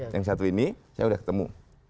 yang satu ini saya sudah ketemu